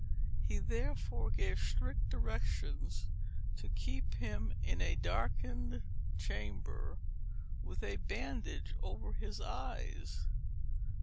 He therefore gave strict directions to keep him in a darkened chamber, with a bandage over his eyes.